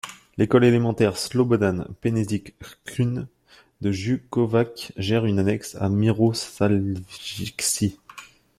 L'école élémentaire Slobodan Penezić Krcun de Junkovac gère une annexe à Mirosaljci.